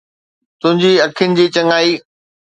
تنهنجي اکين جي چڱائي